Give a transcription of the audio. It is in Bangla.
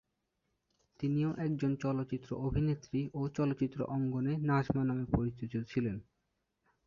তিনিও একজন চলচ্চিত্র অভিনেত্রী ও চলচ্চিত্র অঙ্গনে নাজমা নামে পরিচিত ছিলেন।